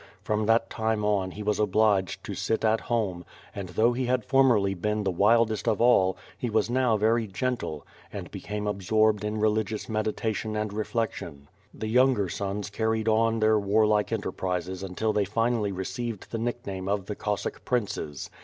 From that time on, he was obliged to sit at home, and though he had formerly been the wildest of all, he was now very gentle, and became absorbed in religious meditation and reflection. The younger sons carried on their warlike enterprises until they finally received the nickname of the Cossack Princes.